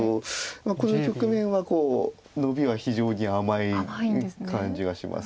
この局面はノビは非常に甘い感じがします。